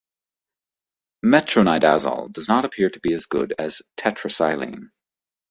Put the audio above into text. Metronidazole does not appear to be as good as tetracycline.